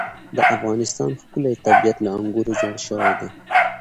د افغانستان ښکلی طبیعت له انګورو جوړ شوی دی.